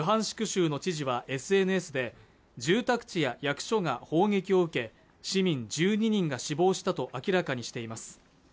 州の知事はＳＮＳで住宅地や役所が砲撃を受け市民１２人が死亡したと明らかにしています